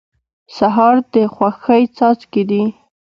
سهار د خوښۍ څاڅکي دي.